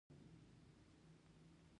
په پردیو تکیه کول غلط سیاست دی.